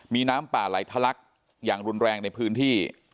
มีน้ำป่าไหลทะลักอย่างรุนแรงในพื้นที่